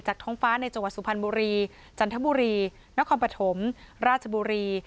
ท้องฟ้าในจังหวัดสุพรรณบุรีจันทบุรีนครปฐมราชบุรี